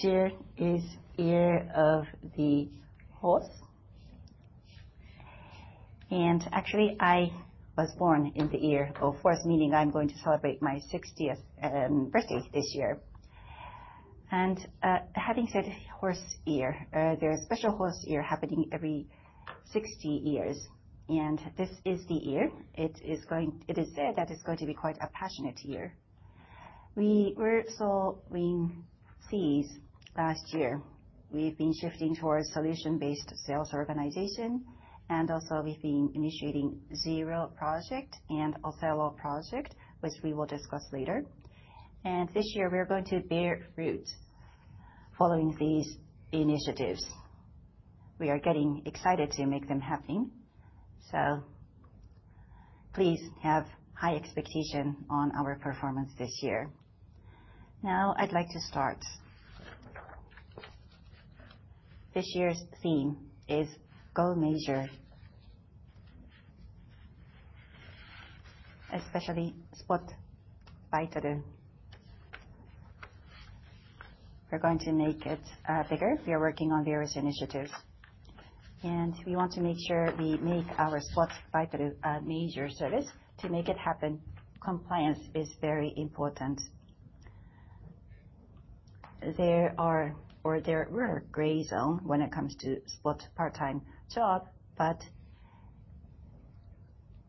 This year is Year of the Horse. Actually, I was born in the Year of the Horse, meaning I'm going to celebrate my 60th birthday this year. Having said Year of the Horse, there are special Year of the Horse happening every 60-years, and this is the year. It is said that it's going to be quite a passionate year. We were sowing seeds last year. We've been shifting towards solutions-based sales organization, and also we've been initiating Zero Project and Ohtani Project, which we will discuss later. This year, we are going to bear fruit following these initiatives. We are getting excited to make them happen, so please have high expectation on our performance this year. Now, I'd like to start. This year's theme is GO MAJOR, especially Spot Baitoru. We're going to make it bigger. We are working on various initiatives, and we want to make sure we make our Spot Baitoru major service. To make it happen, compliance is very important. There were gray zone when it comes to spot part-time job, but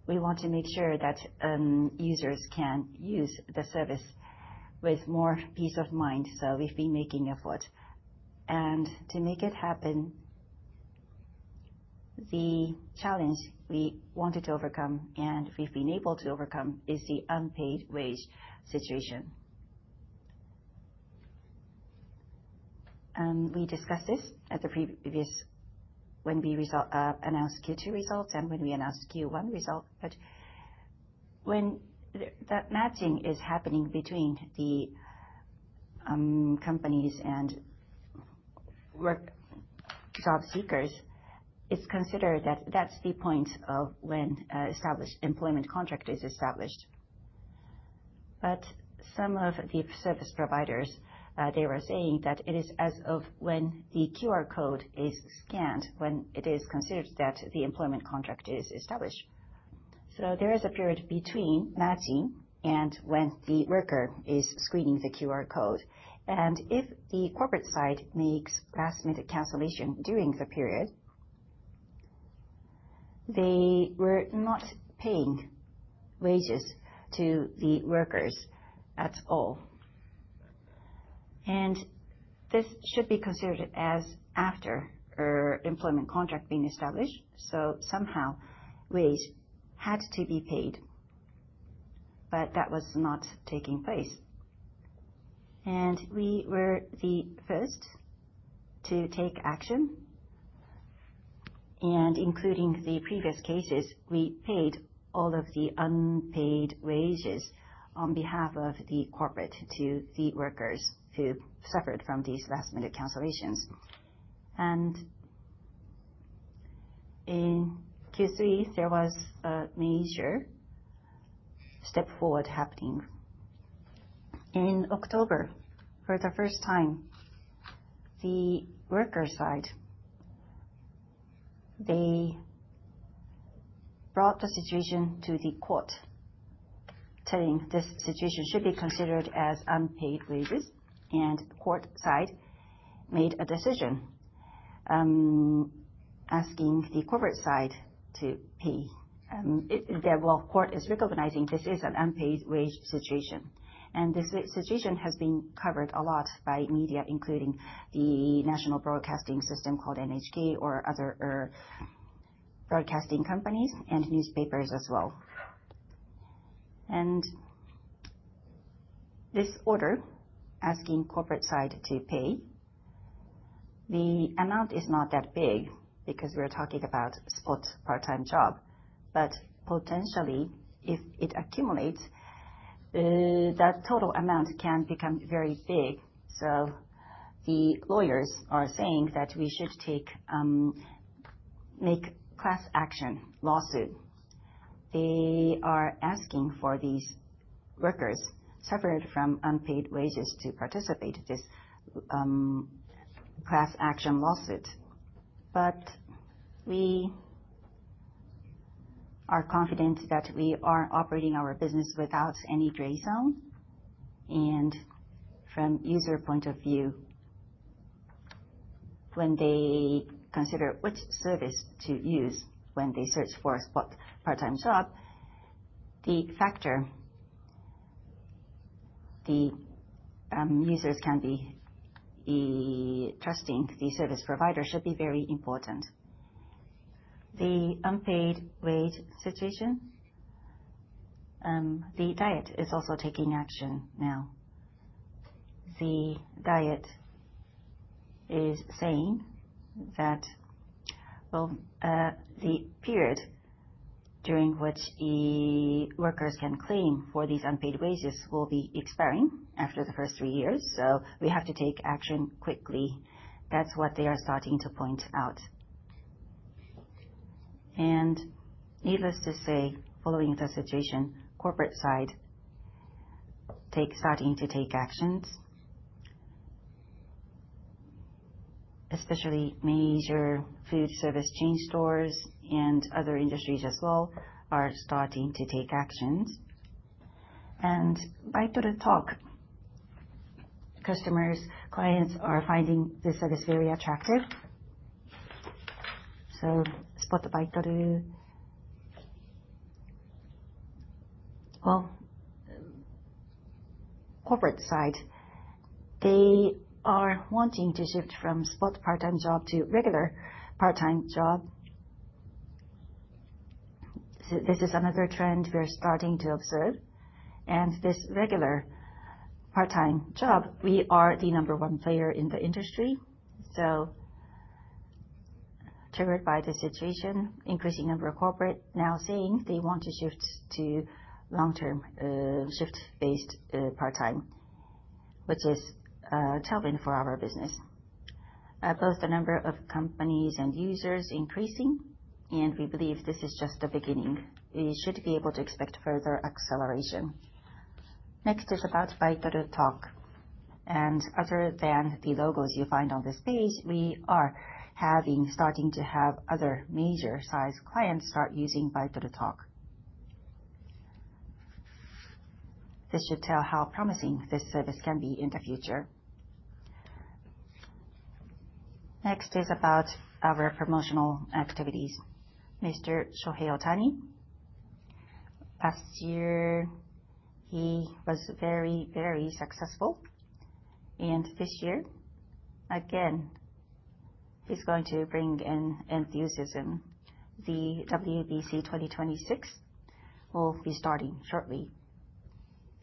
we want to make sure that users can use the service with more peace of mind, so we've been making effort. To make it happen, the challenge we wanted to overcome and we've been able to overcome is the unpaid wage situation. We discussed this at the previous When we result announce Q2 results and when we announce Q1 result. When that matching is happening between the companies and job seekers, it's considered that that's the point of when established employment contract is established. Some of the service providers, they were saying that it is as of when the QR code is scanned, when it is considered that the employment contract is established. There is a period between matching and when the worker is screening the QR code. If the corporate side makes last-minute cancellation during the period, they were not paying wages to the workers at all. This should be considered as after a employment contract being established, somehow wage had to be paid. That was not taking place. We were the first to take action. Including the previous cases, we paid all of the unpaid wages on behalf of the corporate to the workers who suffered from these last-minute cancellations. In Q3, there was a major step forward happening. In October, for the first time, the worker side, they brought the situation to the court, telling this situation should be considered as unpaid wages, court side made a decision, asking the corporate side to pay. The court is recognizing this is an unpaid wage situation. This situation has been covered a lot by media, including the national broadcasting system called NHK or other broadcasting companies and newspapers as well. This order asking corporate side to pay, the amount is not that big because we are talking about spot part-time job. Potentially, if it accumulates, that total amount can become very big. The lawyers are saying that we should take, make class action lawsuit. They are asking for these workers suffered from unpaid wages to participate this class action lawsuit. We are confident that we are operating our business without any gray zone. From user point of view, when they consider which service to use when they search for a spot part-time job, the factor the users can be trusting the service provider should be very important. The unpaid wage situation, the National Diet of Japan is also taking action now. The National Diet of Japan is saying that, the period during which the workers can claim for these unpaid wages will be expiring after the first three years, so we have to take action quickly. That's what they are starting to point out. Needless to say, following the situation, corporate side starting to take actions. Especially major food service chain stores and other industries as well are starting to take actions. By Baitoru Talk, customers, clients are finding this service very attractive. Spot Baitoru Well, corporate side, they are wanting to shift from spot part-time job to regular part-time job. This is another trend we're starting to observe. This regular part-time job, we are the number 1 player in the industry. Triggered by the situation, increasing number of corporate now saying they want to shift to long-term, shift-based, part-time, which is tailwind for our business. Both the number of companies and users increasing, and we believe this is just the beginning. We should be able to expect further acceleration. Next is about Baitoru Talk. Other than the logos you find on this page, we are starting to have other major size clients start using Baitoru Talk. This should tell how promising this service can be in the future. Next is about our promotional activities. Mr. Shohei Ohtani, last year, he was very successful. This year, again, he's going to bring in enthusiasm. The WBC 2026 will be starting shortly,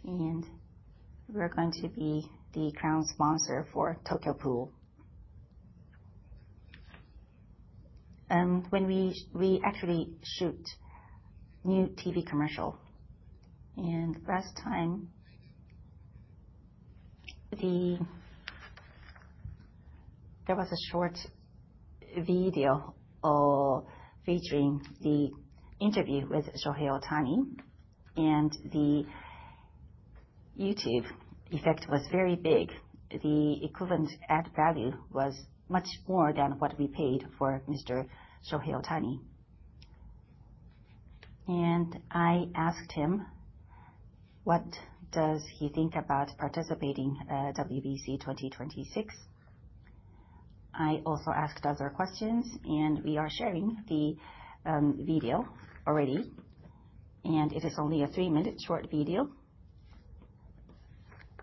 we're going to be the crown sponsor for Tokyo Pool. When we actually shoot new TV commercial, last time, there was a short video featuring the interview with Shohei Ohtani, the YouTube effect was very big. The equivalent ad value was much more than what we paid for Mr. Shohei Ohtani. I asked him, what does he think about participating, WBC 2026? I also asked other questions, we are sharing the video already, it is only a 3-minute short video.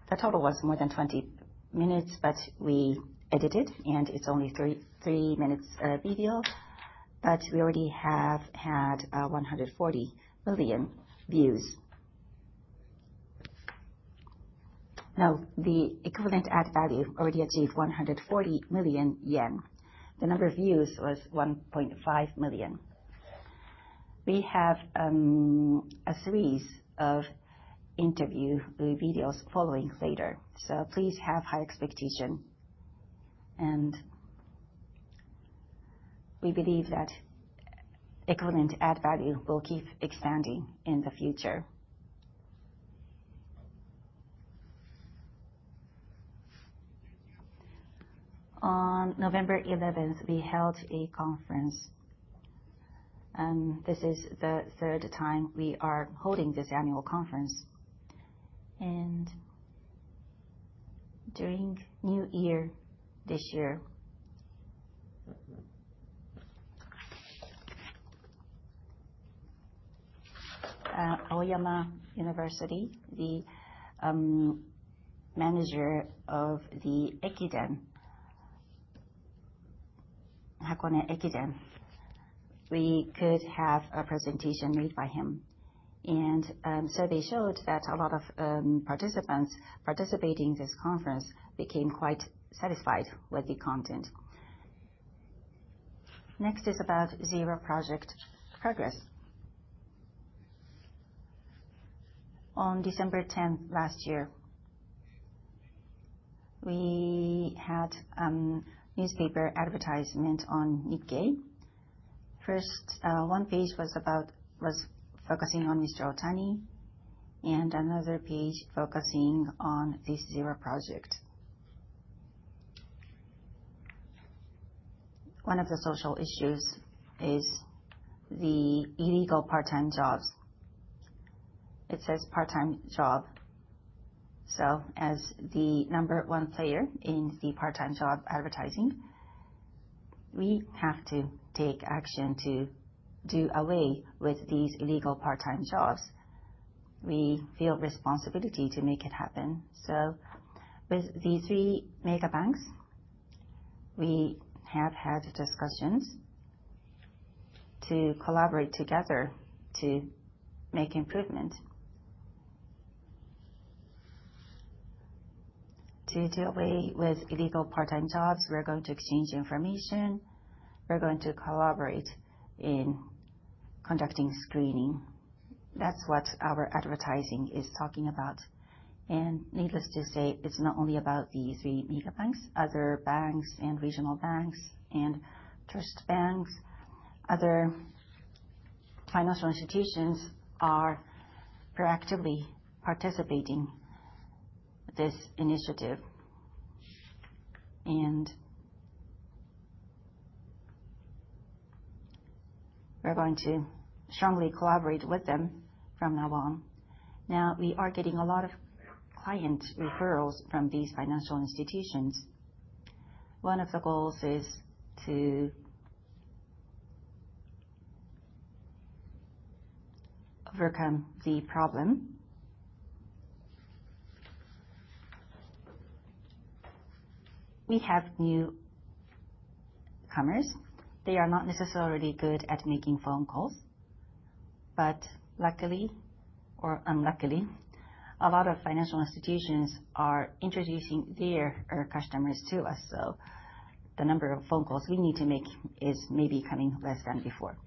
The total was more than 20-minutes, we edited, it's only 3-minutes video. We already have had 140 million views. The equivalent ad value already achieved 140 million yen. The number of views was 1.5 million. We have a series of interview videos following later, please have high expectation. We believe that equivalent ad value will keep expanding in the future. On November 11, we held a conference. This is the third time we are holding this annual conference. During new year, this year at Aoyama Gakuin University, the manager of the Ekiden, Hakone Ekiden, we could have a presentation made by him. Survey showed that a lot of participants participating in this conference became quite satisfied with the content. Next is about Zero Project progress. On December 10 last year, we had newspaper advertisement on Nikkei. First, one page was focusing on Mr. Ohtani, and another page focusing on the Zero Project. One of the social issues is the illegal part-time jobs. It says part-time job. As the number 1 player in the part-time job advertising, we have to take action to do away with these illegal part-time jobs. We feel responsibility to make it happen. With the three mega banks, we have had discussions to collaborate together to make improvement. To do away with illegal part-time jobs, we're going to exchange information. We're going to collaborate in conducting screening. That's what our advertising is talking about. Needless to say, it's not only about these three mega banks, other banks and regional banks and trust banks. Other financial institutions are proactively participating this initiative. We're going to strongly collaborate with them from now on. We are getting a lot of client referrals from these financial institutions. One of the goals is to overcome the problem. We have newcomers. They are not necessarily good at making phone calls, but luckily or unluckily, a lot of financial institutions are introducing their customers to us. The number of phone calls we need to make is maybe becoming less than before.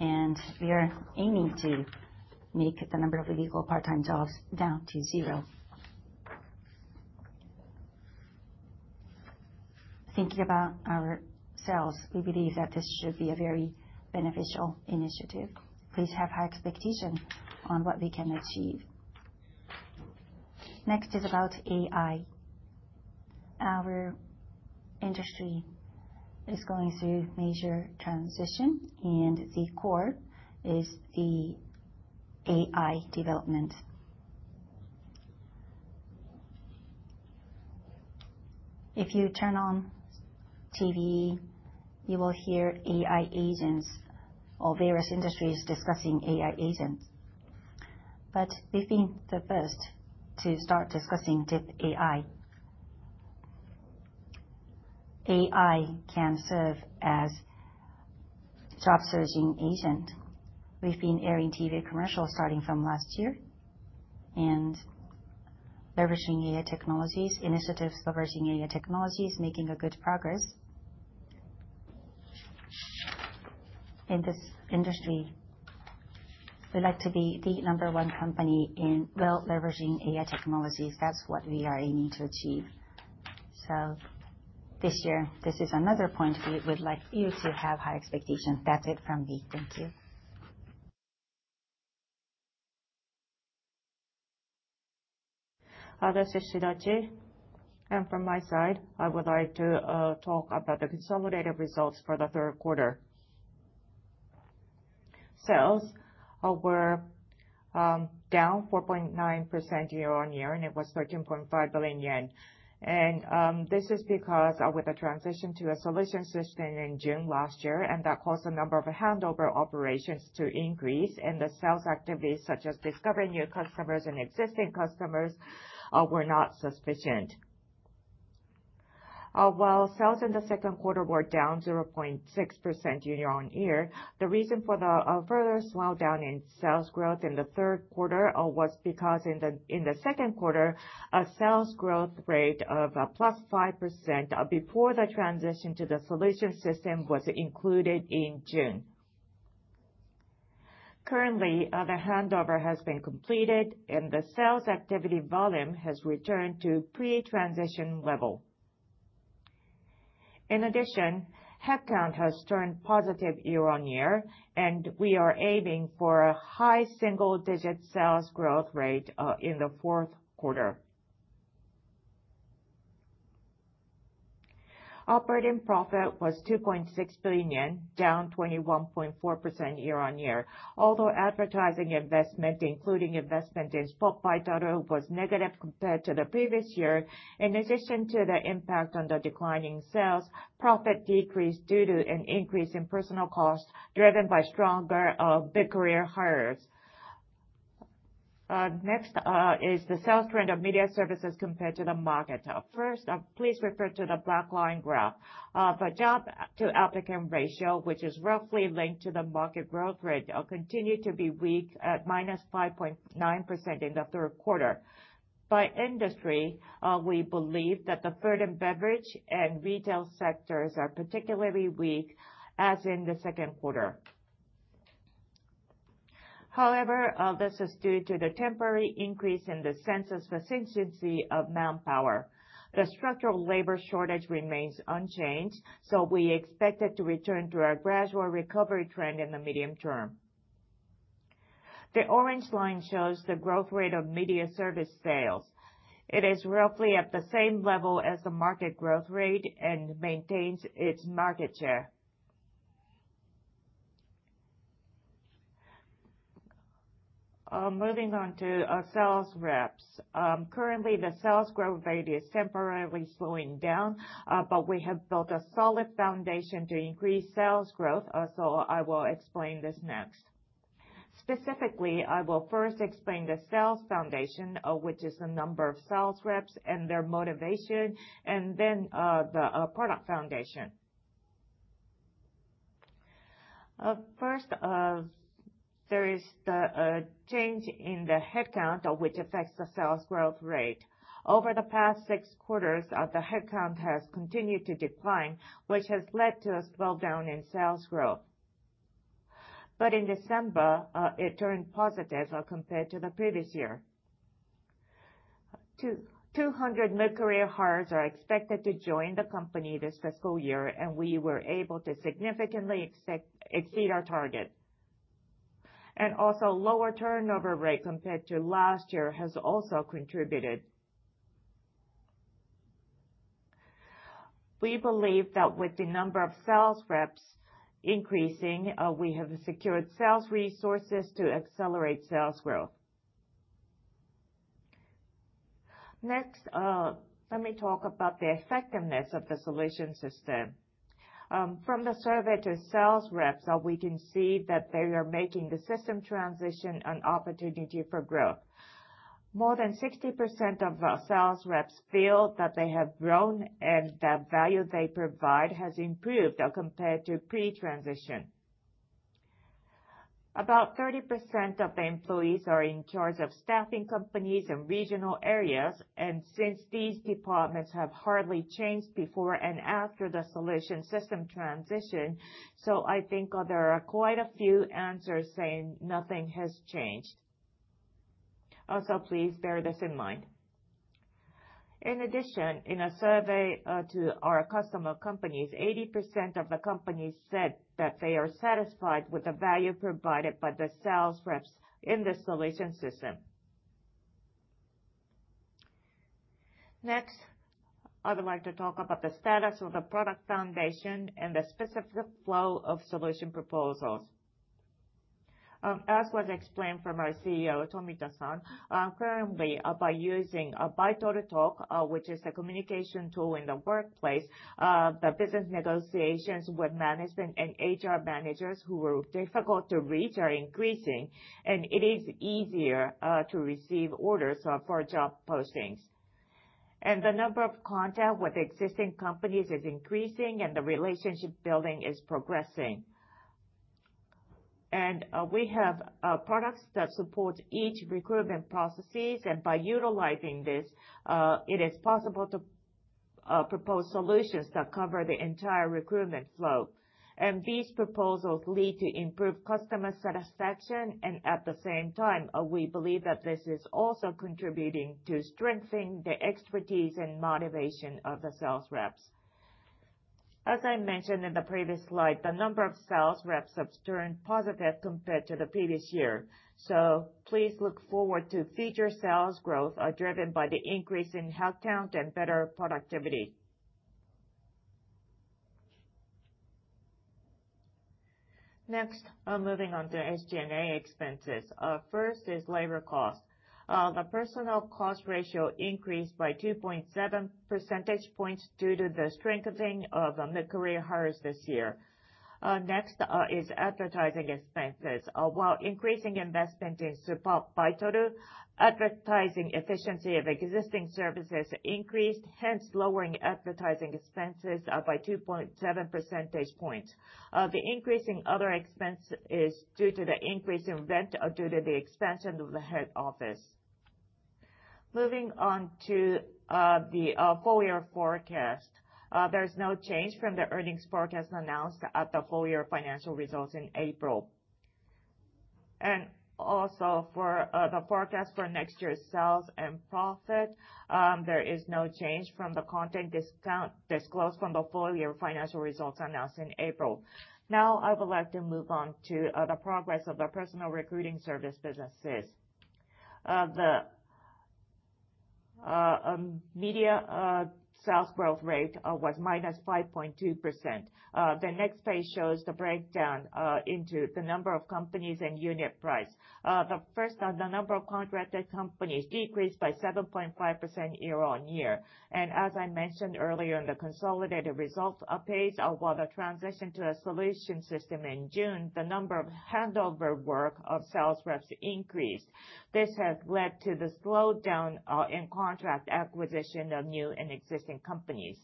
We are aiming to make the number of illegal part-time jobs down to zero. Thinking about ourselves, we believe that this should be a very beneficial initiative. Please have high expectation on what we can achieve. Next is about AI. Our industry is going through major transition, and the core is the AI development. If you turn on TV, you will hear AI agents or various industries discussing AI agents. We've been the first to start discussing dip AI. AI can serve as job searching agent. We've been airing TV commercials starting from last year, initiatives leveraging AI technologies, making good progress. In this industry, we'd like to be the number one company in well leveraging AI technologies. That's what we are aiming to achieve. This year, this is another point we would like you to have high expectations. That's it from me. Thank you. This is Shidachi. From my side, I would like to talk about the consolidated results for the third quarter. Sales were down 4.9% year-on-year, and it was 13.5 billion yen. This is because, with the transition to a solution system in June last year, that caused the number of handover operations to increase, and the sales activities such as discovering new customers and existing customers, were not sufficient. While sales in the second quarter were down 0.6% year-on-year, the reason for the further slowdown in sales growth in the third quarter, was because in the second quarter, a sales growth rate of +5%, before the transition to the solution system was included in June. Currently, the handover has been completed, and the sales activity volume has returned to pre-transition level. In addition, headcount has turned positive year-on-year, and we are aiming for a high single-digit sales growth rate in the fourth quarter. Operating profit was 2.6 billion yen, down 21.4% year-on-year. Although advertising investment, including investment in Spot Baitoru, was negative compared to the previous year. In addition to the impact on the declining sales, profit decreased due to an increase in personnel costs driven by stronger mid-career hires. Next is the sales trend of media services compared to the market. First, please refer to the black line graph. The job to applicant ratio, which is roughly linked to the market growth rate, continued to be weak at -5.9% in the third quarter. By industry, we believe that the food and beverage and retail sectors are particularly weak, as in the second quarter. This is due to the temporary increase in the sense of contingency of manpower. The structural labor shortage remains unchanged, we expect it to return to a gradual recovery trend in the medium term. The orange line shows the growth rate of media service sales. It is roughly at the same level as the market growth rate and maintains its market share. Moving on to our sales reps. Currently the sales growth rate is temporarily slowing down, we have built a solid foundation to increase sales growth, I will explain this next. Specifically, I will first explain the sales foundation, which is the number of sales reps and their motivation, the product foundation. First, there is the change in the headcount, which affects the sales growth rate. Over the past six quarters, the headcount has continued to decline, which has led to a slowdown in sales growth. In December, it turned positive compared to the previous year. 200 mid-career hires are expected to join the company this fiscal year, and we were able to significantly exceed our target. Lower turnover rate compared to last year has also contributed. We believe that with the number of sales reps increasing, we have secured sales resources to accelerate sales growth. Next, let me talk about the effectiveness of the solution system. From the survey to sales reps, we can see that they are making the system transition an opportunity for growth. More than 60% of our sales reps feel that they have grown and the value they provide has improved compared to pre-transition. About 30% of employees are in charge of staffing companies in regional areas, and since these departments have hardly changed before and after the solution system transition, so I think there are quite a few answers saying nothing has changed. Please bear this in mind. In a survey to our customer companies, 80% of the companies said that they are satisfied with the value provided by the sales reps in the solution system. Next, I would like to talk about the status of the product foundation and the specific flow of solution proposals. As was explained from our CEO, Tomita-san, currently, by using Baitoru Talk, which is a communication tool in the workplace, the business negotiations with management and HR managers who were difficult to reach are increasing, and it is easier to receive orders for job postings. The number of contact with existing companies is increasing, and the relationship building is progressing. We have products that support each recruitment processes, and by utilizing this, it is possible to propose solutions that cover the entire recruitment flow. These proposals lead to improved customer satisfaction, and at the same time, we believe that this is also contributing to strengthening the expertise and motivation of the sales reps. As I mentioned in the previous slide, the number of sales reps have turned positive compared to the previous year. Please look forward to future sales growth are driven by the increase in headcount and better productivity. Next, moving on to SG&A expenses. First is labor cost. The personnel cost ratio increased by 2.7 percentage points due to the strengthening of the mid-career hires this year. Next, is advertising expenses. While increasing investment in Baitoru, advertising efficiency of existing services increased, hence lowering advertising expenses by 2.7 percentage points. The increase in other expense is due to the increase in rent due to the expansion of the head office. Moving on to the full-year forecast. There is no change from the earnings forecast announced at the full-year financial results in April. Also for the forecast for next year's sales and profit, there is no change from the content discount disclosed from the full-year financial results announced in April. The progress of the personnel recruiting service businesses. The media sales growth rate was -5.2%. The next page shows the breakdown into the number of companies and unit price. The number of contracted companies decreased by 7.5% year-on-year. As I mentioned earlier in the consolidated results page of other transition to a solutions-based structure in June, the number of handover work of sales reps increased. This has led to the slowdown in contract acquisition of new and existing companies.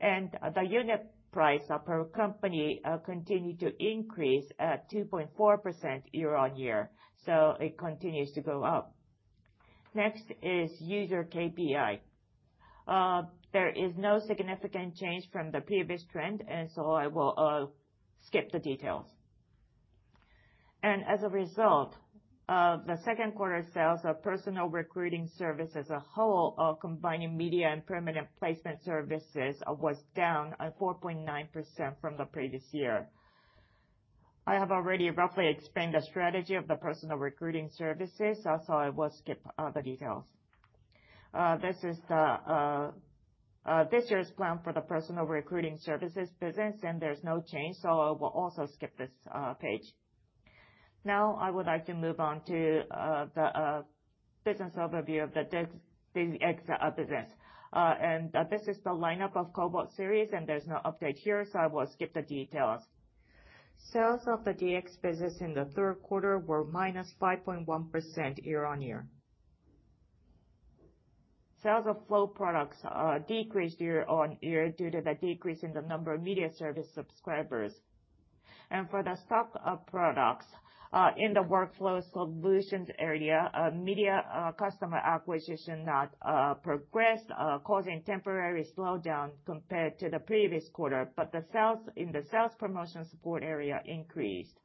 The unit price per company continued to increase at 2.4% year-on-year. It continues to go up. Next is user KPI. There is no significant change from the previous trend, I will skip the details. As a result, the second quarter sales of personnel recruiting service as a whole, combining media and permanent placement services, was down 4.9% from the previous year. I have already roughly explained the strategy of the personnel recruiting services, so I will skip the details. This is the this year's plan for the personnel recruiting services business, there's no change, so I will also skip this page. I would like to move on to the business overview of the DX business. This is the lineup of KOBOT series, there's no update here, so I will skip the details. Sales of the DX business in the third quarter were -5.1% year-on-year. Sales of flow products decreased year-on-year due to the decrease in the number of media service subscribers. For the stock products in the workflow solutions area, media customer acquisition progressed, causing temporary slowdown compared to the previous quarter, but the sales in the sales promotion support area increased.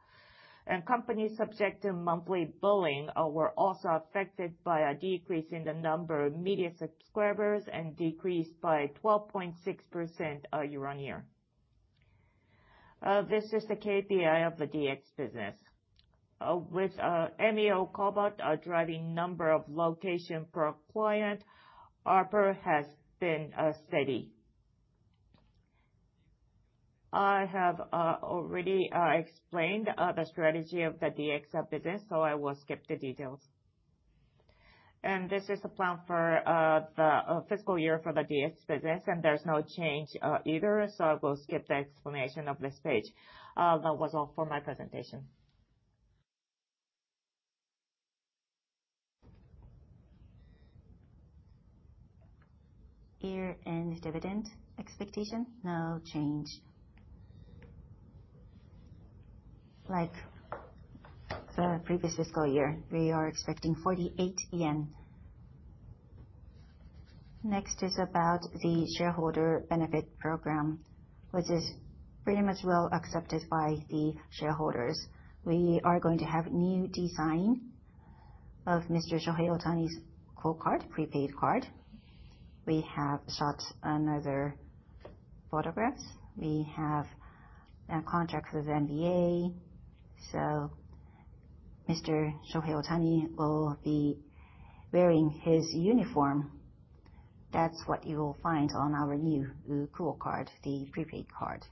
Companies subjected to monthly billing were also affected by a decrease in the number of media subscribers and decreased by 12.6% year-on-year. This is the KPI of the DX business. With MEO KOBOT driving number of location per client, ARPA has been steady. I have already explained the strategy of the DX business, so I will skip the details. This is the plan for the fiscal year for the DX business, and there's no change either, so I will skip the explanation of this page. That was all for my presentation. Year-end dividend expectation, no change. Like the previous fiscal year, we are expecting 48 yen. Next is about the shareholder benefit program, which is pretty much well accepted by the shareholders. We are going to have new design of Mr. Shohei Ohtani's QUO card, prepaid card. We have shot another photographs. We have a contract with MLB, so Mr. Shohei Ohtani will be wearing his uniform. That's what you will find on our new QUO card, the prepaid card.